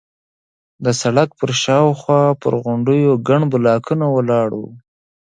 د سړک پر شاوخوا پر غونډیو ګڼ بلاکونه ولاړ وو.